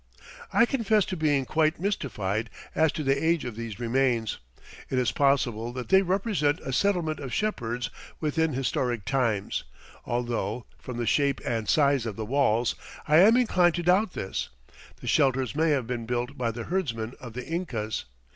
I confess to being quite mystified as to the age of these remains. It is possible that they represent a settlement of shepherds within historic times, although, from the shape and size of the walls, I am inclined to doubt this. The shelters may have been built by the herdsmen of the Incas.